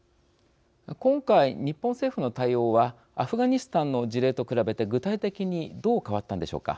今回、日本政府の対応はアフガニスタンの事例と比べて具体的にどう変わったんでしょうか。